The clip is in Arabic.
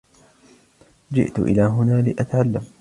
جِئْتُ إلى هنا لأتَعَلّم